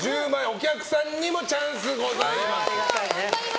お客さんにもチャンスございます。